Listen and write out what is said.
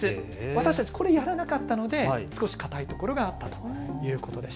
私たちこれ、やらなかったので少し方からかたいところがありました。